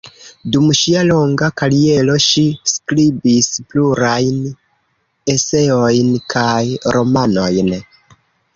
Dum ŝia longa kariero ŝi skribis plurajn eseojn kaj romanojn.